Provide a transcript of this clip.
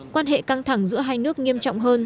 quan hệ căng thẳng giữa hai nước nghiêm trọng hơn